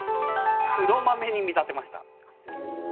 黒豆に見立てました。